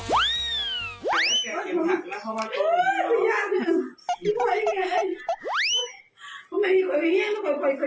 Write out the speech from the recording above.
อุ๊ยไม่อยากเหมือนกัน